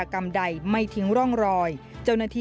สุดท้าย